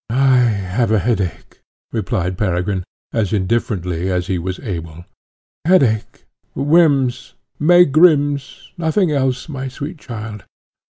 "I have a headache," replied Peregrine, as indifferently as he was able. "Headache! whims! megrims! nothing else, my sweet child.